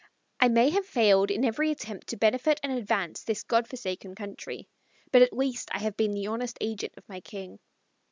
I may have failed in every attempt to benefit and advance this Godforsaken country, but at least I have been the honest agent of my King.